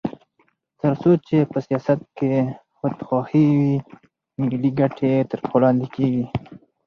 تر څو چې په سیاست کې خودخواهي وي، ملي ګټې تر پښو لاندې کېږي.